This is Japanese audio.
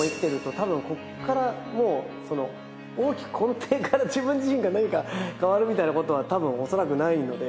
多分ここからもう大きく根底から自分自身が何か変わるみたいなことは多分おそらくないので。